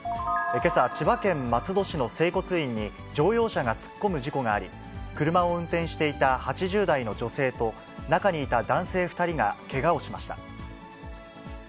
けさ、千葉県松戸市の整骨院に、乗用車が突っ込む事故があり、車を運転していた８０代の女性と、中にいた男性２人がけがをしました。